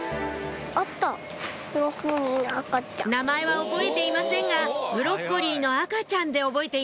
名前は覚えていませんが「ブロッコリーのあかちゃん」で覚えています